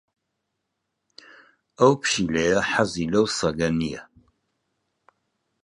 ئەو پشیلەیە حەزی لەو سەگە نییە.